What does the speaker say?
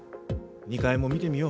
２階も見てみよう。